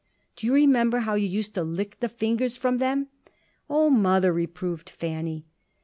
"Do you remember how you used to lick the fingers from them?" "O Mother!" reproved Fanny.